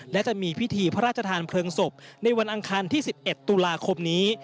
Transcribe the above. และจะมีพิธีพระราชทานเพลิงศพในวันอังคารที่๑๑ตุลาคมนี้